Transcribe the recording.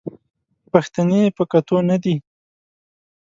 پښتنې په کتو نه دي